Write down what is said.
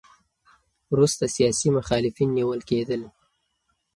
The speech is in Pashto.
وروسته سیاسي مخالفین نیول کېدل.